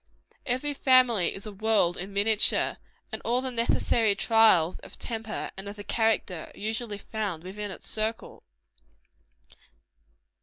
Each family is a world in miniature; and all the necessary trials of the temper and of the character, are usually found within its circle.